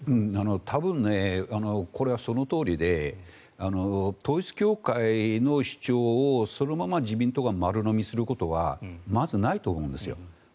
多分、これはそのとおりで統一教会の主張をそのまま自民党が丸のみすることはまずないと思うんですよ。